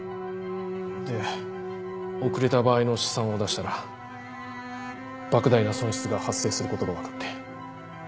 で遅れた場合の試算を出したら莫大な損失が発生することが分かって。